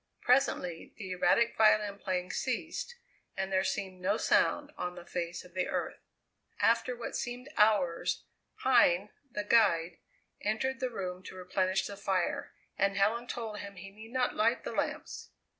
Presently the erratic violin playing ceased and there seemed no sound on the face of the earth. After what seemed hours, Pine, the guide, entered the room to replenish the fire, and Helen told him he need not light the lamps.